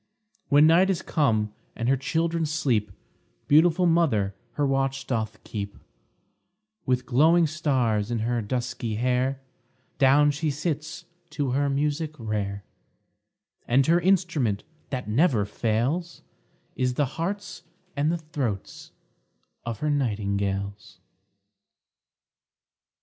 When night is come, and her children sleep, Beautiful mother her watch doth keep; With glowing stars in her dusky hair Down she sits to her music rare; And her instrument that never fails, Is the hearts and the throats of her nightingales.